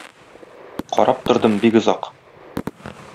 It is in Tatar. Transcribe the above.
Карап тордым бик озак.